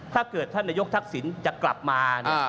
ถ้าเกิดท่านนายกทักษิณจะกลับมา